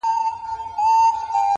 د سيند پر غاړه، سندريزه اروا وچړپېدل.